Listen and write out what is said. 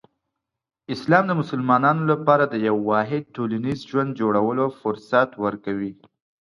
اسلام د مسلمانانو لپاره د یو واحد ټولنیز ژوند جوړولو فرصت ورکوي.